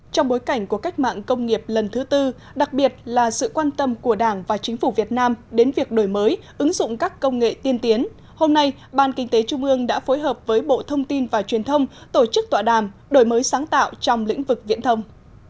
trong bối cảnh của cách mạng công nghiệp lần thứ tư đặc biệt là sự quan tâm của đảng và chính phủ việt nam đến việc đổi mới ứng dụng các công nghệ tiên tiến hôm nay ban kinh tế trung ương đã phối hợp với bộ thông tin và truyền thông tổ chức tọa đàm đổi mới sáng tạo trong lĩnh vực viễn thông